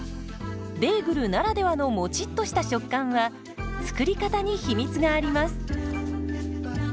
ベーグルならではのもちっとした食感は作り方に秘密があります。